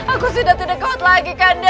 aku sudah tidak kot lagi kanda